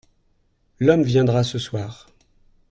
L’homme viendra ce soir.